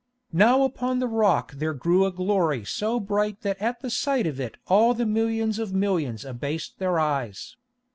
Now upon the rock there grew a glory so bright that at the sight of it all the millions of millions abased their eyes.